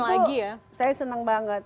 jadi itu saya senang banget